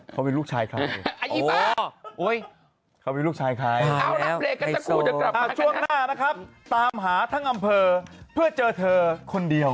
เขาเป็นลูกชายคล้ายอ้าวโอ้ยเขาเป็นลูกชายคล้ายนะครับตามหาทั้งอำเภอเพื่อเจอเธอคนเดียว